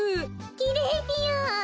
きれいぴよ。